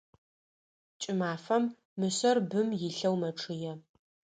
Кӏымафэм мышъэр бым илъэу мэчъые.